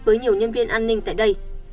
với nhiều nhân viên an ninh tại đây